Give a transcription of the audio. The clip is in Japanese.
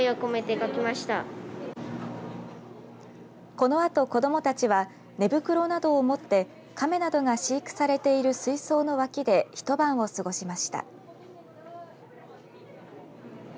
このあと子どもたちは寝袋などを持って亀などが飼育されている水槽の脇で一晩を過ごしました。